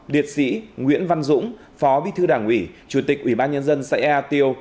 liệt sĩ nguyễn văn dũng phó bí thư đảng ủy chủ tịch ủy ban nhân dân xã ea tiêu